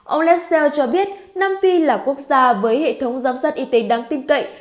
ông lesseel cho biết nam phi là quốc gia với hệ thống giám sát y tế đáng tin cậy